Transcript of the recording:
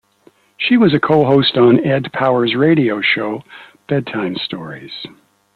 She was a co-host on Ed Powers' radio show "Bedtime Stories".